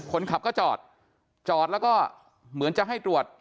คนขับก็จอดจอดแล้วก็เหมือนจะให้ตรวจ